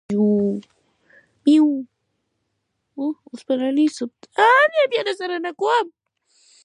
منتظر یم چې له غیبه څه راته پېښېږي.